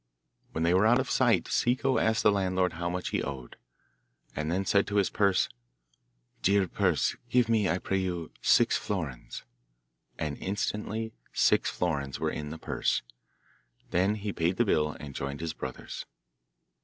When they were out of sight Ciccu asked the landlord how much he owed, and then said to his purse, 'Dear purse, give me, I pray you, six florins,' and instantly six florins were in the purse. Then he paid the bill and joined his brothers.